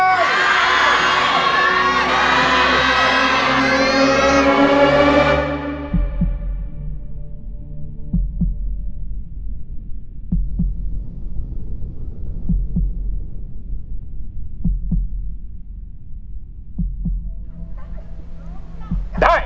สุดท้าย